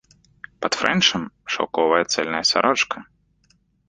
Пад фрэнчам шаўковая цельная сарочка.